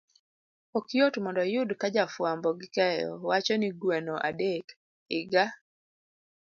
Ok yot mondo iyud ka ja fuambo gi keyo wacho ni gweno adek, higa